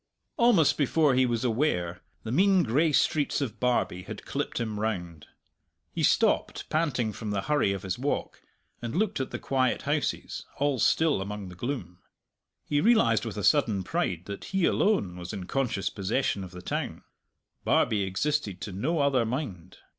Almost before he was aware, the mean gray streets of Barbie had clipped him round. He stopped, panting from the hurry of his walk, and looked at the quiet houses, all still among the gloom. He realized with a sudden pride that he alone was in conscious possession of the town. Barbie existed to no other mind.